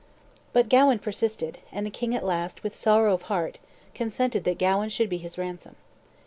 But Gawain persisted, and the king at last, with sorrow of heart, consented that Gawain should be his ransom.